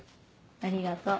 ありがとう。